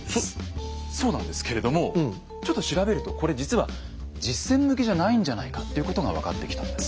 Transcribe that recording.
そうなんですけれどもちょっと調べるとこれ実は実戦向きじゃないんじゃないかっていうことが分かってきたんです。